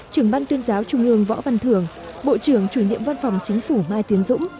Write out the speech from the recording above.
trưởng ban tuyên giáo trung ương võ văn thường bộ trưởng chủ nhiệm văn phòng chính phủ mai tiến dũng